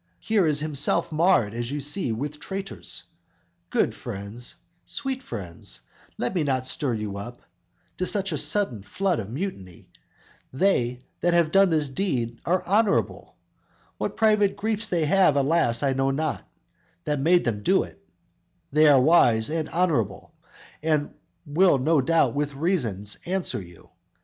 Look you here, Here is himself marred, as you see, with traitors! Good friends, sweet friends, let me not stir you up To such a sudden flood of mutiny; They that have done this deed are honorable; What private griefs they have, alas, I know not That made them do it; they are wise and honorable And will no doubt with reasons answer you.